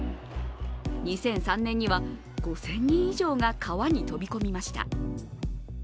２００３年には５０００人以上が川に飛び込みました。